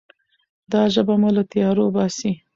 دا ژبه مو له تیارو باسي.